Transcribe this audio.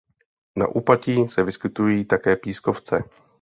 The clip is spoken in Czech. Na úpatí se vyskytují také pískovce.